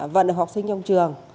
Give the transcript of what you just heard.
vận được học sinh trong trường